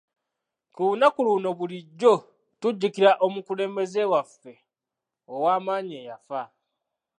Ku lunaku luno bulijjo tujjukira omukulembeze waffe ow'amaanyi eyafa.